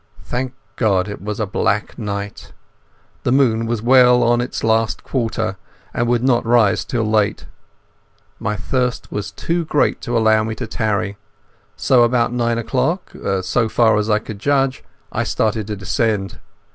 Thank God it was a black night. The moon was well on its last quarter and would not rise till late. My thirst was too great to allow me to tarry, so about nine o'clock, so far as I could judge, I started to descend.